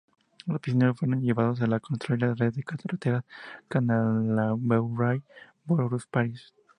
Los prisioneros fueron llevados a construir la red de carreteras Canala-Bourail-Boulouparis.